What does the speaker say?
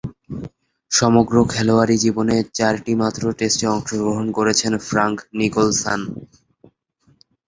সমগ্র খেলোয়াড়ী জীবনে চারটিমাত্র টেস্টে অংশগ্রহণ করেছেন ফ্রাঙ্ক নিকোলসন।